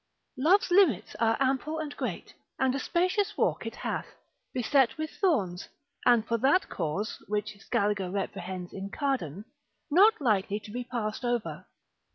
Love's limits are ample and great, and a spacious walk it hath, beset with thorns, and for that cause, which Scaliger reprehends in Cardan, not lightly to be passed over.